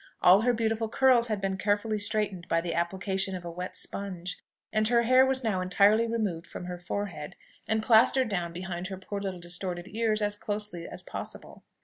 All her beautiful curls had been carefully straightened by the application of a wet sponge; and her hair was now entirely removed from her forehead, and plastered down behind her poor little distorted ears as closely as possible.